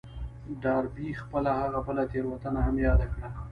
ډاربي خپله هغه بله تېروتنه هم ياده کړه.